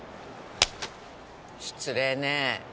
失礼ね！